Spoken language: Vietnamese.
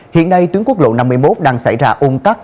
hiện nay tiến quốc lộ năm mươi một đang xảy ra ôn tắt